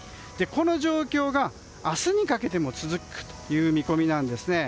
この状況が明日にかけても続くという見込みなんですね。